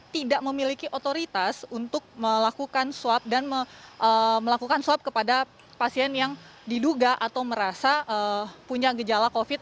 tidak memiliki otoritas untuk melakukan swab dan melakukan swab kepada pasien yang diduga atau merasa punya gejala covid